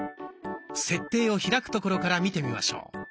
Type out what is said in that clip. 「設定」を開くところから見てみましょう。